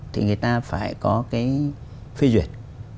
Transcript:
thì người ta phải có cái phê duyệt